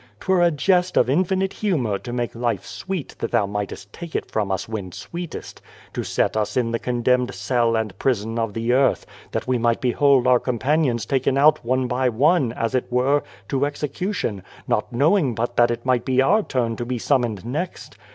'Twere a jest of infinite humour to make life sweet that Thou mightest take it from us when sweetest ; to set us in the con demned cell and prison of the earth, that we might behold our companions taken out one by one, as it were, to execution, not knowing but that it might be our turn to be summoned next.